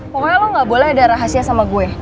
pokoknya lo gak boleh ada rahasia sama gue